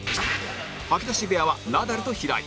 吐き出し部屋はナダルと平井